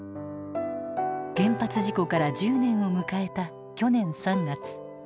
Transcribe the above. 原発事故から１０年を迎えた去年３月。